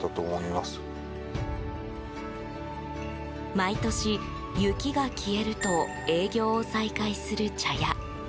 毎年、雪が消えると営業を再開する茶屋。